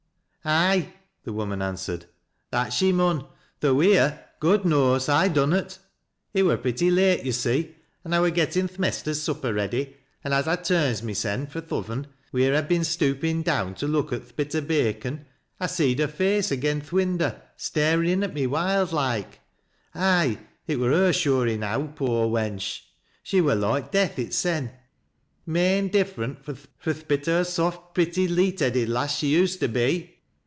" Ay," the woman answered, " that she mun, though wheer, God knows, I dunnot. It wur pretty late, yo' see, an' I wur gettin' th' mester's supper ready, an' as I turns mysen fro' th' oven, wheer I had been stoopin' down to look at th' bit o' bacon, I seed her face agen th' winder, starin' in at me wild loike. Aye, it wur her sure enow, poor wench ! She wur loike death itsen — main different fro' th' bit o' a soft, pretty, leet headed lass she used to be.''